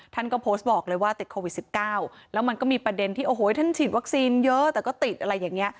ท่านก็โพสต์บอกเลยว่าติดโควิด๑๙แล้วมันก็มีประเด็นที่โอ้โหท่านฉีดวัคซีนเยอะแต่ก็ติดอะไรอย่างนี้